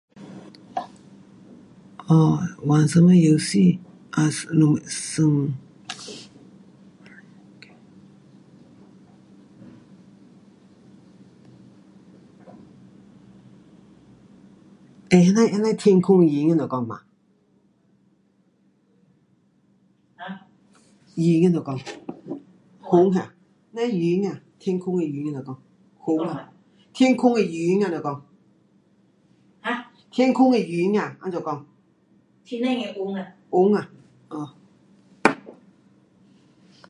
[um]玩什么游戏[um]玩，玩。。。诶，那样那样的天空的云怎么讲妈，[um]云怎样讲，云哈？呢云啊，天空的云怎么讲，云啊，天空的云怎么讲，哈？天空的云啊，怎么讲？天顶的云啊，云啊，[um]